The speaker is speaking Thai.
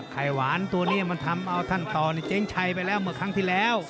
ไข่หวานตัวนี้ไปชัยไปแล้วเมื่อครั้งที่แล้ว